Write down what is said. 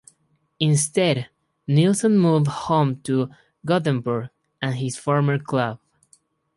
Instead, Nilsson moved home to Gothenburg and his former club.